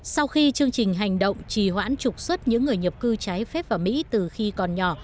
sau khi chương trình hành động trì hoãn trục xuất những người nhập cư trái phép vào mỹ từ khi còn nhỏ